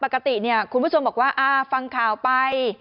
คุณผู้ชมบอกว่าฟังข่าวไป